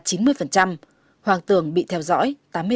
hoàng tưởng là chín mươi hoang tưởng bị theo dõi tám mươi ba ba